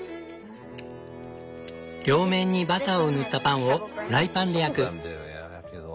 両面にバターを塗ったパンをフライパンで焼く。